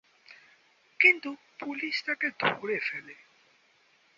কিন্তু পুলিশ তাকে ধরে ফেলে।